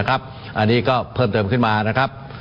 อันนี้ก็เพิ่มเติมขึ้นมา